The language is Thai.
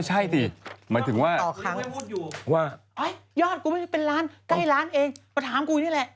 จากกระแสของละครกรุเปสันนิวาสนะฮะ